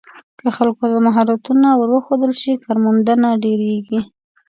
که خلکو ته مهارتونه ور وښودل شي، کارموندنه ډېریږي.